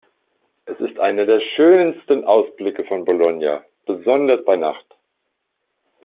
Es ist einer der schönsten Ausblicke von Bologna, besonders bei Nacht.